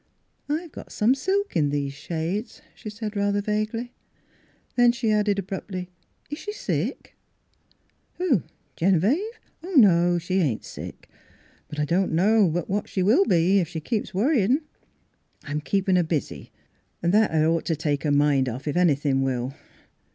" I've got some silk in these shades," she said rather vaguely. Then she added abruptly, " Is she sick? "" Who ? Genevieve ? No ; she ain't sick. But I dunno but what she will be, if she keeps worritin'. I'm keepin' her busy, an' that 'ad ought t' take her mind off, if anythin' will."